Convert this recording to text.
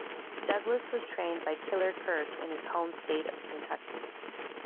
Douglas was trained by Killer Kurt in his home state of Kentucky.